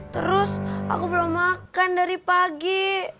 terus aku belum makan dari pagi